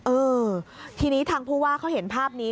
เออทีนี้ทางผู้ว่าเขาเห็นภาพนี้